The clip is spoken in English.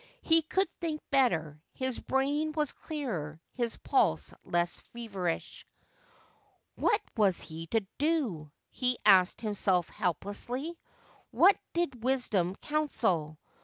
He could think better— his brain was clearer — his pulse less feverish. ' What was he to do ?' he asked himself helplessly. What did Wisdom counsel